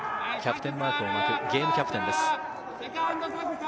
キャプテンマークを巻くゲームキャプテンです。